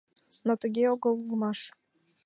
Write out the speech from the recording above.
Но тыге огыл улмаш.